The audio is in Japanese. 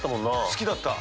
好きだった。